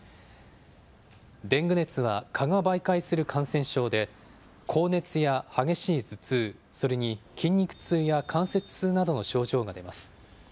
デング熱は蚊が媒介する感染症で、高熱や激しい頭痛、それに筋肉痛や関節痛などの症状が出ます。